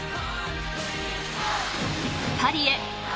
［パリへ！